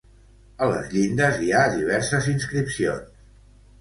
A les llindes hi ha diverses inscripcions.